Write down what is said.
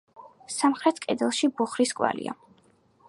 სამხრეთ კედელში ბუხრის კვალია.